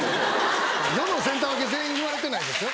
世のセンター分け全員言われてないですよ。